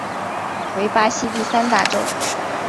为巴西第三大州。